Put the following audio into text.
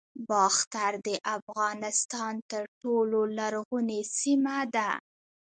باختر د افغانستان تر ټولو لرغونې سیمه ده